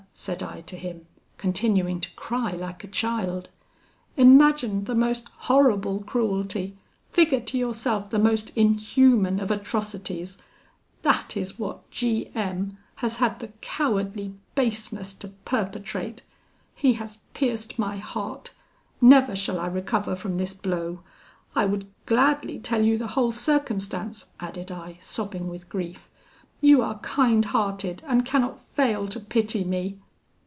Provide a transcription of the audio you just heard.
said I to him, continuing to cry like a child, 'imagine the most horrible cruelty, figure to yourself the most inhuman of atrocities that is what G M has had the cowardly baseness to perpetrate: he has pierced my heart. Never shall I recover from this blow! I would gladly tell you the whole circumstance,' added I, sobbing with grief; 'you are kind hearted, and cannot fail to pity me.'